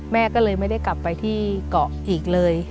แม่ก็เลยไม่ได้กลับไปที่เกาะอีกเลย